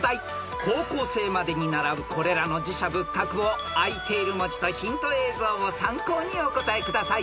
［高校生までに習うこれらの寺社仏閣をあいている文字とヒント映像を参考にお答えください］